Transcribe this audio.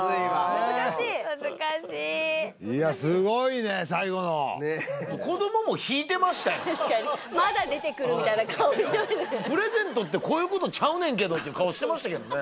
難しい難しいいやすごいね最後の確かにまだ出てくるみたいな顔してましたねプレゼントってこういうことちゃうねんけどって顔してましたけどね